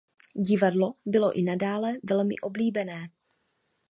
Divadlo bylo i nadále velmi oblíbené.